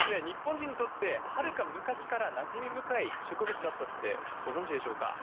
日本人にとってはるか昔からなじみ深い植物だったってご存じでしょうか？